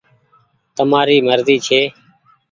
تمآري مرزي ڇي۔